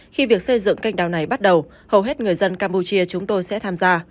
khi việc xây dựng canh đào này bắt đầu hầu hết người dân campuchia chúng tôi sẽ tham gia